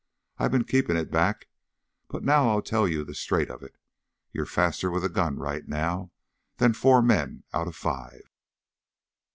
I been keeping it back, but now I'll tell you the straight of it. You're faster with a gun right now than four men out of five!"